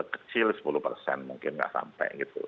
kecil sepuluh persen mungkin nggak sampai gitu